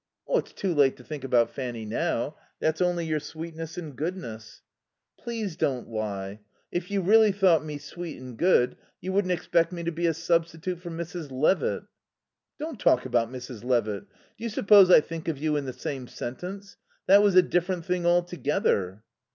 "It's too late to think about Fanny now. That's only your sweetness and goodness." "Please don't lie. If you really thought me sweet and good you wouldn't expect me to be a substitute for Mrs. Levitt." "Don't talk about Mrs. Levitt. Do you suppose I think of you in the same sentence? That was a different thing altogether."